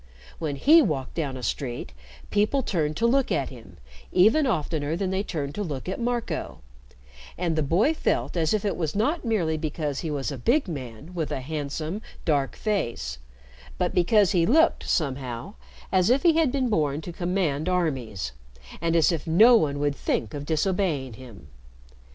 When he walked down a street, people turned to look at him even oftener than they turned to look at Marco, and the boy felt as if it was not merely because he was a big man with a handsome, dark face, but because he looked, somehow, as if he had been born to command armies, and as if no one would think of disobeying him.